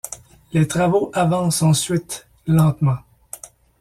Les travaux avancent ensuite lentement.